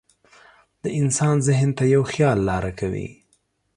د انسان ذهن ته یو خیال لاره کوي.